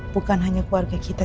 bukan hanya keluarga kita